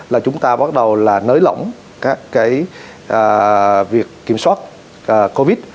là chúng ta bắt đầu là nới lỏng các việc kiểm soát covid